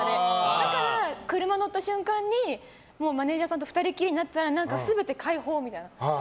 だから、車乗った瞬間にマネジャーさんと２人きりになったら全て解放みたいな。